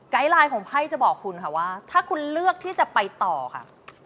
ไลน์ของไพ่จะบอกคุณค่ะว่าถ้าคุณเลือกที่จะไปต่อค่ะ